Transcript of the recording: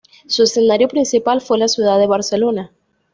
Su escenario principal fue la ciudad de Barcelona.